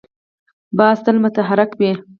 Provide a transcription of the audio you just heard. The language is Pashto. باز تل متحرک وي